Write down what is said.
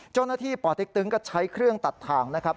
เจ้าหน้าที่ปเต็กตึงก็ใช้เครื่องตัดทางนะครับ